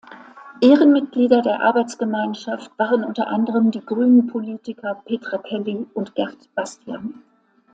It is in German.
Ehrenmitglieder der Arbeitsgemeinschaft waren unter anderem die Grünenpolitiker Petra Kelly und Gert Bastian.